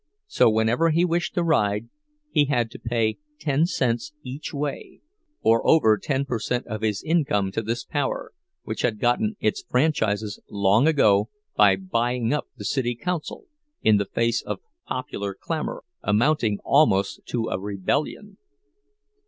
So whenever he wished to ride, he had to pay ten cents each way, or over ten per cent of his income to this power, which had gotten its franchises long ago by buying up the city council, in the face of popular clamor amounting almost to a rebellion.